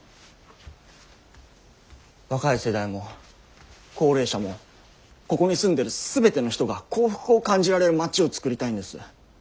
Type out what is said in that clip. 若い世代も高齢者もここに住んでる全ての人が幸福を感じられる街を作りたいんです。